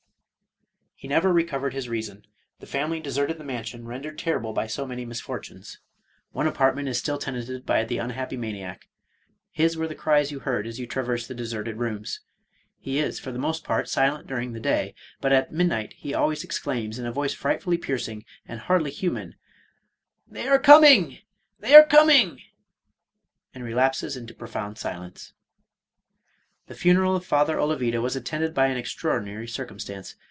He never recovered his reason ; the family deserted the man sion rendered terrible by so many misfortunes. One apart ment is still tenanted by the unhappy maniac ; his were the cries you heard as you traversed the deserted rooms. He is for the most part silent during the day, but at midnight he always exclaims, in a voice frightfully piercing, and hardly human, " They are coming ! they are coming !" and relapses into profound silence. The funeral of Father Olavida was attended by an ex traordinary circumstance.